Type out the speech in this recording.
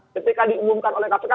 ketika diumumkan oleh kpk